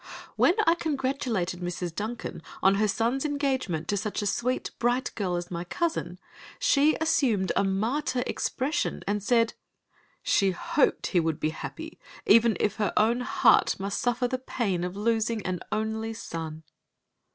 When I congratulated Mrs. Duncan on her son's engagement to such a sweet, bright girl as my cousin, she assumed a martyr expression and said, "She hoped he would be happy, even if her own heart must suffer the pain of losing an only son."